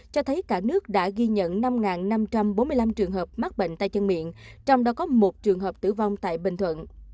cho thấy cả nước đã ghi nhận năm năm trăm bốn mươi năm trường hợp mắc bệnh tay chân miệng trong đó có một trường hợp tử vong tại bình thuận